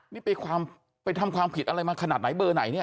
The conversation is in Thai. นี่ไปทำความผิดอะไรมาขนาดไหนเบอร์ไหนเนี่ย